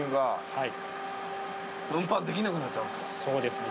はい。